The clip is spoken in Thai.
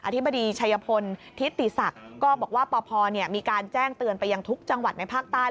ธิบดีชัยพลทิติศักดิ์ก็บอกว่าปพมีการแจ้งเตือนไปยังทุกจังหวัดในภาคใต้